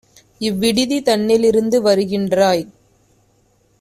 இவ்விடுதி தன்னில் இருந்து வருகின்றாய்!